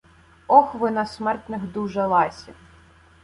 Ох, ви на смертних дуже ласі!